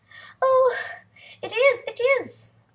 "Oh, it is! It is!"